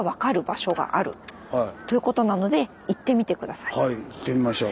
続いてははい行ってみましょう。